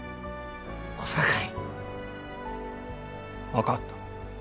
分かった。